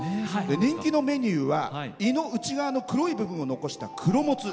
人気のメニューは胃の内側の黒い部分を残した黒モツ。